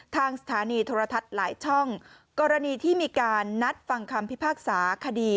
ทางสถานีโทรทัศน์หลายช่องกรณีที่มีการนัดฟังคำพิพากษาคดี